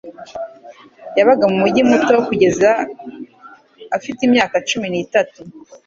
yabaga mu mujyi muto kugeza afite imyaka cumi n'itatu.